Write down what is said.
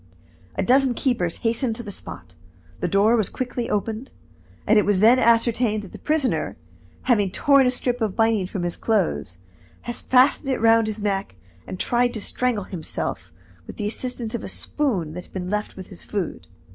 A dozen keepers hastened to the spot. The door was quickly opened, and it was then ascertained that the prisoner, having torn a strip of binding from his clothes, had fastened it round his neck and tried to strangle himself with the assistance of a spoon that had been left him with his food.